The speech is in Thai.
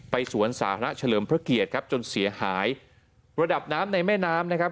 สวนสาธารณะเฉลิมพระเกียรติครับจนเสียหายระดับน้ำในแม่น้ำนะครับ